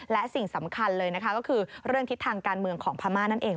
และสิ่งสำคัญเลยนะคะก็คือเรื่องทิศทางการเมืองของพม่านั่นเอง